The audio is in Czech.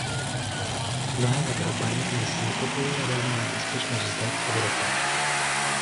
Mnohé Evropany dnes znepokojuje jaderná bezpečnost zde, v Evropě.